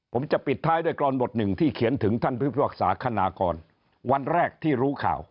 ผมจะปิดท้ายด้วยกรอนบทหนึ่งที่เขียนถึงท่านพิพากษาคณากรวันแรกที่รู้ข่าว